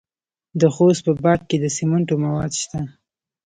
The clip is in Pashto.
د خوست په باک کې د سمنټو مواد شته.